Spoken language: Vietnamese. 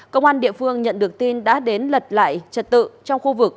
công an địa phương nhận được tin đã đến lật lại trật tự trong khu vực